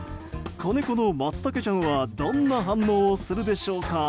子猫のまつたけちゃんはどんな反応をするでしょうか。